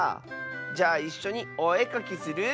じゃあいっしょにおえかきする？